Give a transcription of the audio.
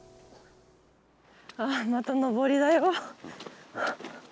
ああまた登りだよ。